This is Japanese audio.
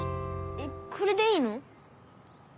えっこれでいいの？